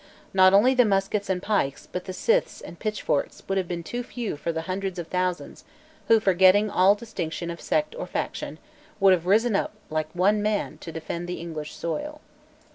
Not only the muskets and pikes but the scythes and pitchforks would have been too few for the hundreds of thousands who, forgetting all distinction of sect or faction, would have risen up like one man to defend the English soil.